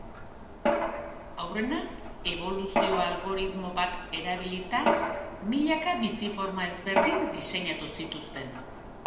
Aurrena, eboluzio-algoritmo bat erabilita, milaka bizi-forma ezberdin diseinatu zituzten.